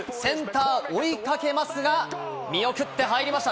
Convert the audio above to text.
センターが追いかけますが、見送って、入りました！